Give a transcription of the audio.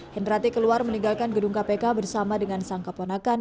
hendrati keluar meninggalkan gedung kpk bersama dengan sang keponakan